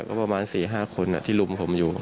ก็ประมาณ๔๕คนที่ลุมผมอยู่